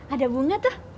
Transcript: ada bunga tuh